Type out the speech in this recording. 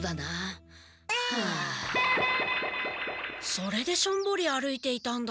それでしょんぼり歩いていたんだ。